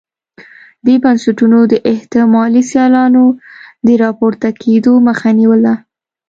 دې بنسټونو د احتمالي سیالانو د راپورته کېدو مخه نیوله.